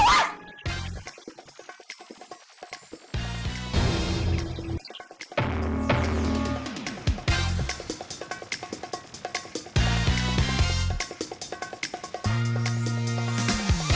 masuk dong nih